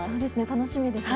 楽しみですね。